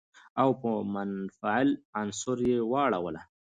او په يوه منفعل عنصر يې واړوله.